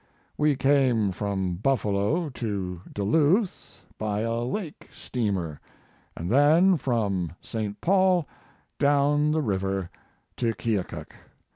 We came from Buffalo to Duluth by a lake steamer and then from St. Paul down the river to Keokuk.